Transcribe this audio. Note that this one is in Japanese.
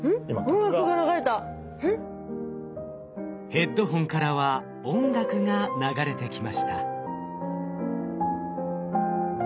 ヘッドホンからは音楽が流れてきました。